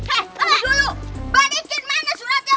eh dulu balikin mana suratnya